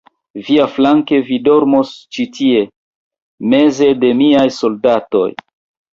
Viaflanke, vi dormos ĉi tie, meze de miaj soldatoj.